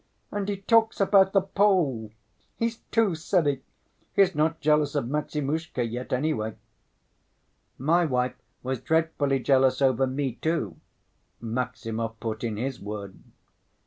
And he talks about the Pole! He's too silly! He is not jealous of Maximushka yet, anyway." "My wife was dreadfully jealous over me, too," Maximov put in his word.